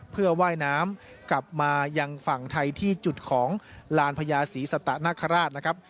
เพื่อว่ายน้ำกลับมายังฝั่งไทยที่จุดของลานพญาศรีสัตนคราชนะครับ